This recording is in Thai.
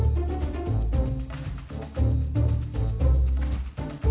เพื่อนรับทราบ